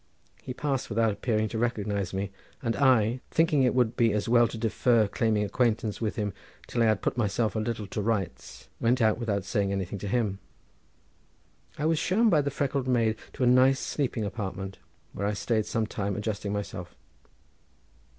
He passed without appearing to recognise me, and I, thinking it would be as well to defer claiming acquaintance with him till I had put myself a little to rights, went out without saying anything to him. I was shown by the freckled maid to a nice sleeping apartment, where I stayed some time adjusting myself.